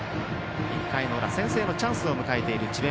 １回の裏、先制のチャンスを迎えている智弁